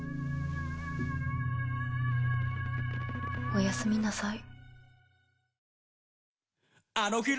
おやすみなさい。